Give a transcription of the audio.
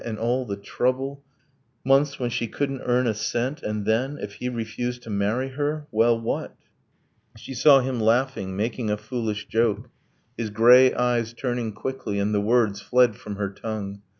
. and all the trouble, Months when she couldn't earn a cent, and then, If he refused to marry her ... well, what? She saw him laughing, making a foolish joke, His grey eyes turning quickly; and the words Fled from her tongue